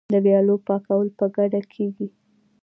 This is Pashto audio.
د ویالو پاکول په ګډه کیږي.